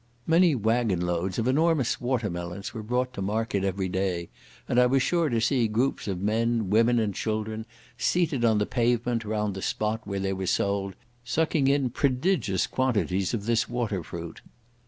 Many waggon loads of enormous water melons were brought to market every day, and I was sure to see groups of men, women, and children seated on the pavement round the spot where they were sold, sucking in prodigious quantities of this water fruit.